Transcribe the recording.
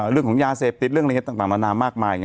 เรื่องของยาเซฟติสเรื่องอะไรอย่างนี้ต่างนานามากมาย